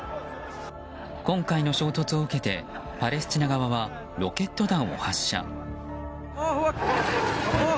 今回の衝突を受けてパレスチナ側はロケット弾を発射。